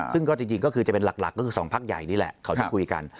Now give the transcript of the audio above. ซึ่งก็จริงก็คือจะเป็นหลักก็คือ๒พักใหญ่นี่แหละเขาจะคุยกัน